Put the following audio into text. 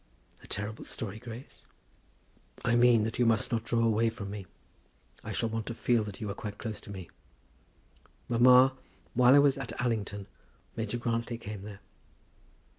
"A terrible story, Grace?" "I mean that you must not draw away from me. I shall want to feel that you are quite close to me. Mamma, while I was at Allington, Major Grantly came there."